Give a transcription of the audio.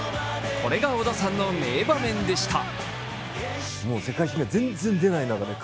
これが織田さんの名場面でした。